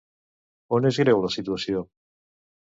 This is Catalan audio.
On és greu la situació?